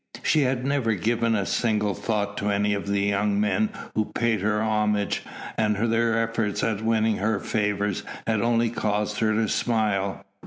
She had never given a single thought to any of the young men who paid her homage, and their efforts at winning her favours had only caused her to smile.